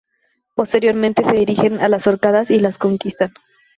Posteriormente se dirigen a las Orcadas y las conquistan.